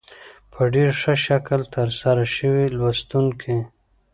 په ډېر ښه شکل تر سره شوې لوستونکي